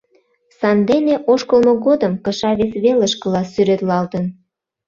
Сандене ошкылмо годым кыша вес велышкыла сӱретлалтын.